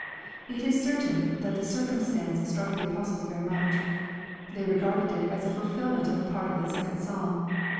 It is certain that the circumstance struck the apostles very much. They regarded it as a fulfilment of part of the second Psalm.